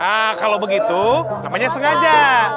nah kalau begitu namanya sengaja